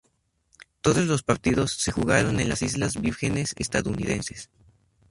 Todos los partidos se jugaron en las Islas Vírgenes Estadounidenses.